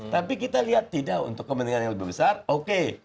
tapi kita lihat tidak untuk kepentingan yang lebih besar oke